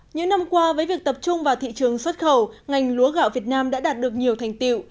những năm qua với việc tập trung vào thị trường xuất khẩu ngành lúa gạo việt nam đã đạt được nhiều thành tiệu